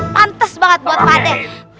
pantas banget buat pade